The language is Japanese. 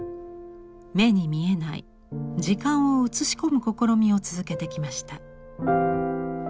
目に見えない「時間」を写し込む試みを続けてきました。